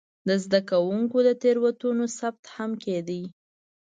د زده کوونکو د تېروتنو ثبت هم کېده.